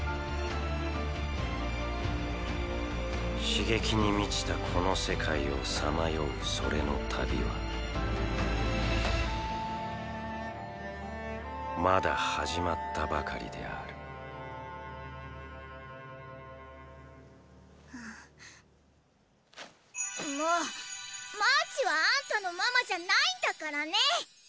刺激に満ちたこの世界を彷徨うそれの旅はまだ始まったばかりであるもうマーチはあんたのママじゃないんだからね。